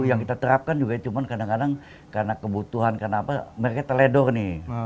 yang kita terapkan juga cuma kadang kadang karena kebutuhan karena apa mereka teledor nih